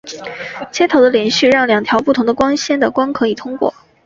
接头的接续让两条不同的光纤的光可以通过。